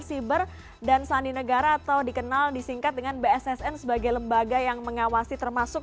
siber dan sandi negara atau dikenal disingkat dengan bssn sebagai lembaga yang mengawasi termasuk